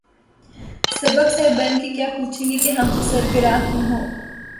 سبک سر بن کے کیا پوچھیں کہ ’’ ہم سے سر گراں کیوں ہو؟‘‘